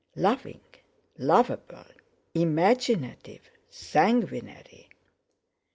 Loving, lovable, imaginative, sanguinary!